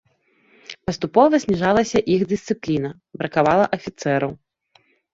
Паступова зніжалася іх дысцыпліна, бракавала афіцэраў.